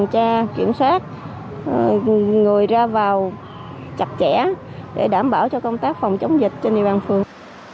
chạp chẽ để đảm bảo cho công tác phòng chống dịch trên địa bàn phường